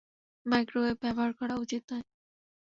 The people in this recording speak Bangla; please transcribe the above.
মাইক্রোওয়েব ব্যবহার করা উচিত নয়।